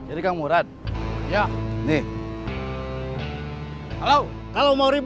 ini kan gak nyahar